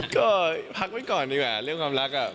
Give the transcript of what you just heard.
ก็พักไว้ก่อนดีกว่าเรื่องความรัก